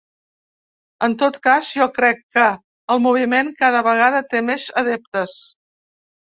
En tot cas, jo crec que el moviment cada vegada té més adeptes.